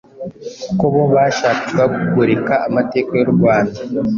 kuko bo bashakaga kugoreka amateka y’u rwanda,